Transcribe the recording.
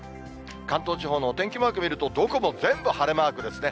関東地方のお天気マーク見るとどこも全部晴れマークですね。